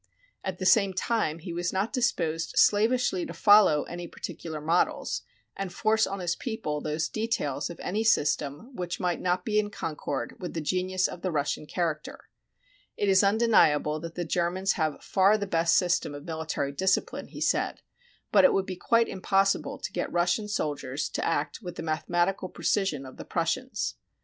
At the same time he was not disposed slavishly to follow any particular models, and force on his people those details of any system which might not be in concord with the genius of the Russian character. It is undeniable that the Germans have far the best system of military discipline, he said, but it would be quite impossible to get Russian soldiers to act with the mathematical precision of the Prussians.